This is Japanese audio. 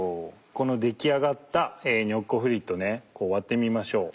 この出来上がったニョッコフリット割ってみましょう。